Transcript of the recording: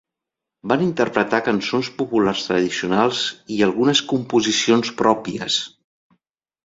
Van interpretar cançons populars tradicionals i algunes composicions pròpies.